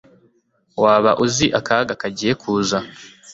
waba uzi akaga kagiye kuza